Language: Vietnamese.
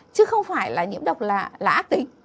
chứ không phải là nhiễm độc là ác tính